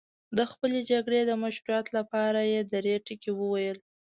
د خپلې جګړې د مشروعیت لپاره یې درې ټکي وویل.